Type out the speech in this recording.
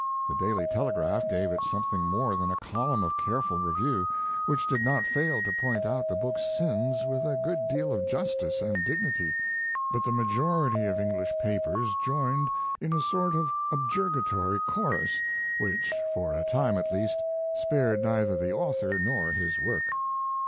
The Daily Telegraph gave it something more than a column of careful review, which did not fail to point out the book's sins with a good deal of justice and dignity; but the majority of English papers joined in a sort of objurgatory chorus which, for a time at least, spared neither the author nor his work.